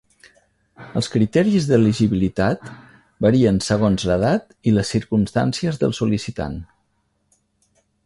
Els criteris d'elegibilitat varien segons l'edat i les circumstàncies del sol·licitant.